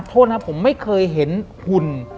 โทษนะครับผมไม่เคยเห็นหุ่น